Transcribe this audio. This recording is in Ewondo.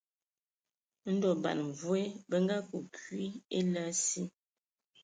Ndɔ ban mvoe bə akə kwi a ele asi.